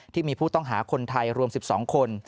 ที่มีผู้ต้องหาคนไทยรวม๑๒คน